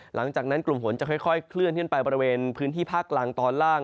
หลังจากนั้นกลุ่มฝนจะค่อยเคลื่อนขึ้นไปบริเวณพื้นที่ภาคกลางตอนล่าง